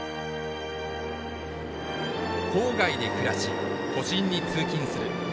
「郊外で暮らし都心に通勤する」